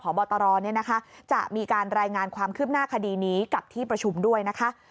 พบตรจะมีการรายงานความคืบหน้าคดีนี้กับที่ประชุมด้วยนะคะ